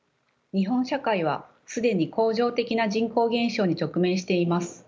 日本社会は既に恒常的な人口減少に直面しています。